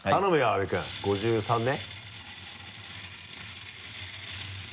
阿部君５３ね。